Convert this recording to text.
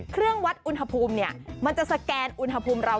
เครื่องวัดอุณหภูมิเนี่ยมันจะสแกนอุณหภูมิเรา